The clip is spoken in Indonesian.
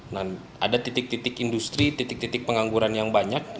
nah ada titik titik industri titik titik pengangguran yang banyak